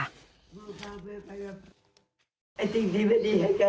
หลังจากขั้นตอนนี้ที่เสร็จพิธีนะคะคุณผู้ชม